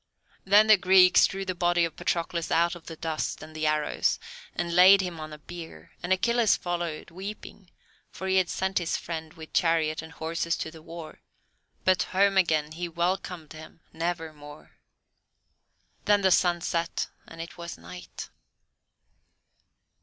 Then the Greeks drew the body of Patroclus out of the dust and the arrows, and laid him on a bier, and Achilles followed, weeping, for he had sent his friend with chariot and horses to the war; but home again he welcomed him never more. Then the sun set and it was night.